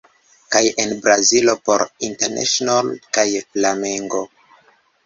Kaj en Brazilo por Internacional kaj Flamengo.